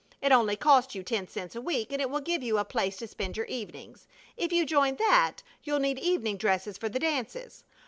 It only costs you ten cents a week and it will give you a place to spend your evenings. If you join that you'll need evening dresses for the dances.